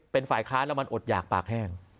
เป็นฝ่ายค้านแล้วมันอดหยากปากแห้ง